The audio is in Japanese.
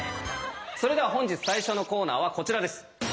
それでは本日最初のコーナーはこちらです！